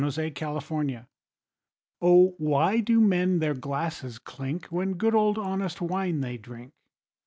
THE FIVE SENSES Oh, why do men their glasses clink When good old honest wine they drink?